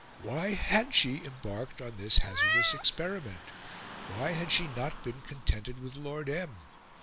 Why had she embarked on this hazardous experiment? Why had she not been contented with Lord M.?